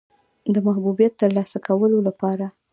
د محبوبیت د ترلاسه کولو لپاره.